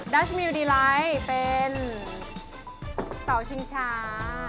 รัชมิวดีไลท์เป็นเสาชิงช้า